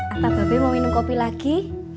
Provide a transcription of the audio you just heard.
atau babi mau minum kopi lagi